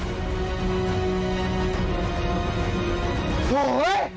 สวัสดี